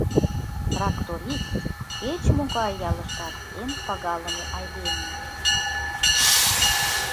Тракторист — кеч-могай ялыштат эн пагалыме айдеме.